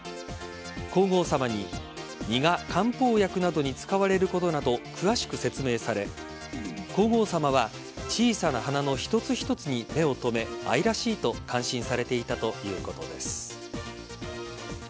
皇后さまに実が漢方薬などに使われることなど詳しく説明され皇后さまは小さな花の一つ一つに目を留め愛らしいとお天気です。